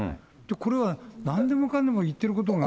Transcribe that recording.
これはなんでもかんでも言ってることが。